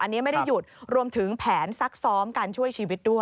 อันนี้ไม่ได้หยุดรวมถึงแผนซักซ้อมการช่วยชีวิตด้วย